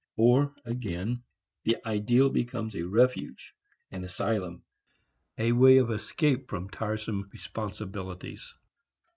Or, again, the ideal becomes a refuge, an asylum, a way of escape from tiresome responsibilities.